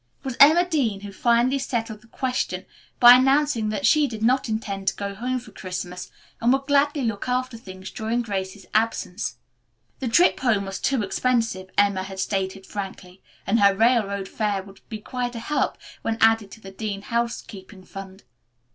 It was Emma Dean who finally settled the question by announcing that she did not intend to go home for Christmas and would gladly look after things during Grace's absence. The trip home was too expensive, Emma had stated frankly, and her railroad fare would be quite a help when added to the Dean housekeeping fund.